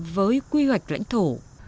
với quy hoạch lãnh thổ